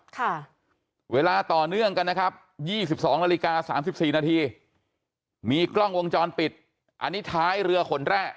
ค่ะเวลาต่อเนื่องกันนะครับยี่สิบสองนาฬิกาสามสิบสี่นาทีมีกล้องวงจรปิดอันนี้ท้ายเรือขนแร่